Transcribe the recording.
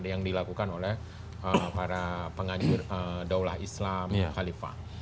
yang dilakukan oleh para pengajir daulah islam khalifah